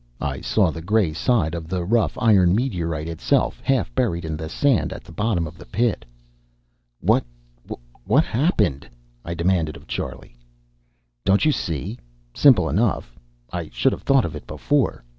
I saw the gray side of the rough iron meteorite itself, half buried in the sand at the bottom of the pit. "What what happened?" I demanded of Charlie. "Don't you see? Simple enough. I should have thought of it before.